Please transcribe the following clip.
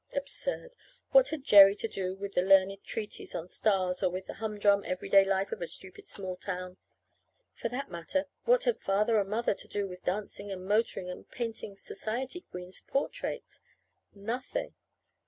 Absurd! What had Jerry to do with learned treatises on stars, or with the humdrum, everyday life of a stupid small town? For that matter, what had Father and Mother to do with dancing and motoring and painting society queens' portraits? Nothing.